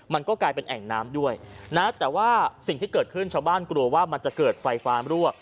มันก็กลายเป็นแอ่งน้ำด้วยนะแต่ว่าสิ่งที่เกิดขึ้นชาวบ้านกลัวว่ามันจะเกิดไฟฟ้ารั่ว